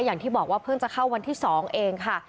อย่างที่บอกว่าเพิ่งจะเข้าวันที่๒เองค่ะ